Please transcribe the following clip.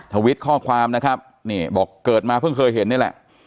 ทวิตข้อความนะครับนี่บอกเกิดมาเพิ่งเคยเห็นนี่แหละ